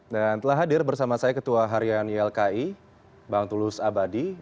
dan telah hadir bersama saya ketua harian ylki bang tulus abadi